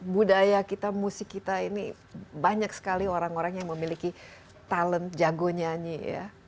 budaya kita musik kita ini banyak sekali orang orang yang memiliki talent jago nyanyi ya